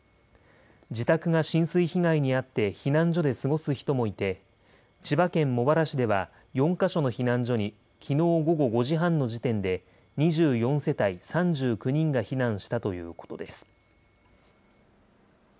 自宅が浸水被害に遭って避難所で過ごす人もいて、千葉県茂原市では４か所の避難所にきのう午後５時半の時点で２４世帯３９人が避難したということです。